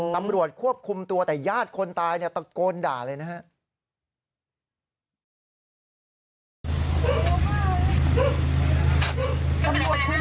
ตำรวจควบคุมตัวแต่ญาติคนตายตะโกนด่าเลยนะครับ